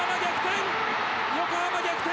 横浜逆転！